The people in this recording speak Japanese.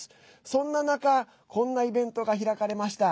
そんな中、こんなイベントが開かれました。